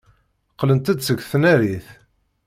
Qqlent-d seg tnarit.